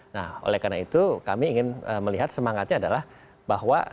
nah oleh karena itu kami ingin melihat semangatnya adalah bahwa